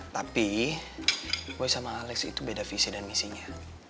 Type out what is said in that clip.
tapi gue sama alex itu beda visi dan misinya